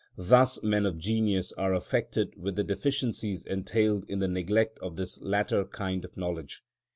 Thus men of genius are affected with the deficiencies entailed in the neglect of this latter kind of knowledge.